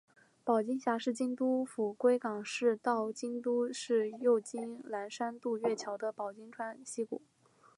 保津峡是京都府龟冈市到京都市右京区岚山渡月桥的保津川溪谷。